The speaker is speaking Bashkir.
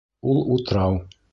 Ул утрау...